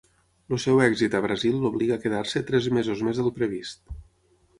El seu èxit a Brasil l'obliga a quedar-se tres mesos més del previst.